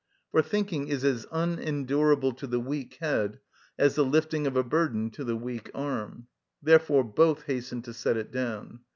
For thinking is as unendurable to the weak head as the lifting of a burden to the weak arm; therefore both hasten to set it down.